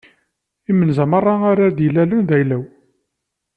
Imenza meṛṛa ara d-ilalen d ayla-w.